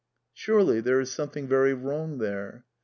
Surely there is something very wrong there